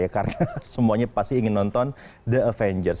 karena semuanya pasti ingin nonton the avengers